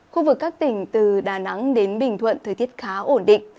khu vực các tỉnh từ đà nẵng đến bình thuận thời tiết khá ổn định